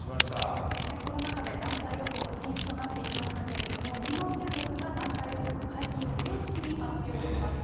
そうですね、コロナ禍で団体旅行は禁止となっていましたけれども、きのう、中国が団体旅行の解禁を正式に発表しました。